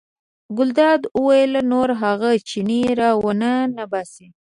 ګلداد وویل نور هغه چینی را ونه ننباسئ.